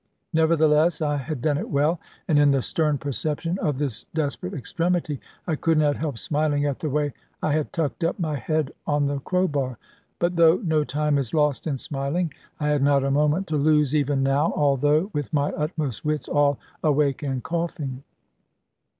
Nevertheless I had done it well: and in the stern perception of this desperate extremity, I could not help smiling at the way I had tucked up my head on the crowbar. But (though no time is lost in smiling) I had not a moment to lose even now, although with my utmost wits all awake and coughing.